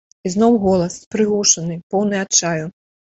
І зноў голас, прыглушаны, поўны адчаю.